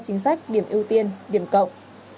chính sách điểm ưu tiên điểm cộng